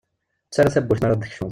Ttarra tawwurt mi ara d-tkecmeḍ.